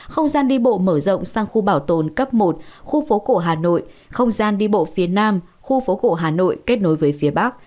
không gian đi bộ mở rộng sang khu bảo tồn cấp một khu phố cổ hà nội không gian đi bộ phía nam khu phố cổ hà nội kết nối với phía bắc